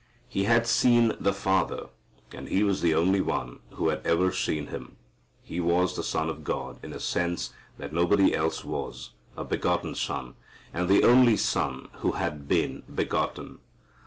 He had seen the Father, and He was the only one who had ever seen Him. He was the Son of God in a sense that nobody else was, a begotten Son, and the only Son who had been begotten.